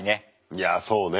いやあそうね。